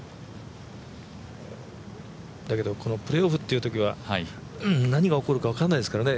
だけど、プレーオフというときは何が起こるか分からないですからね。